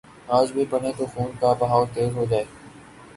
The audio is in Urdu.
آج بھی پڑھیں تو خون کا بہاؤ تیز ہو جائے۔